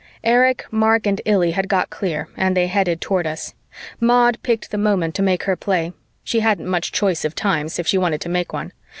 Erich, Mark and Illy had got clear and they headed toward us. Maud picked the moment to make her play; she hadn't much choice of times, if she wanted to make one.